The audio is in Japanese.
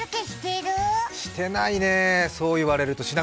してないね、そう言われると。